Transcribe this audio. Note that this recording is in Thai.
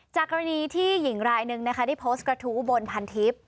กรณีที่หญิงรายหนึ่งนะคะได้โพสต์กระทู้อุบลพันทิพย์